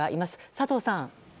佐藤さん。